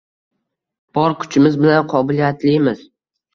Bor kuchimiz bilan qobiliyatlimiz.